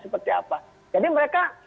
seperti apa jadi mereka